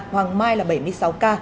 hoàng mai là bảy mươi sáu ca